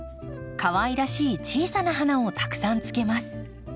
かわいらしい小さな花をたくさんつけます。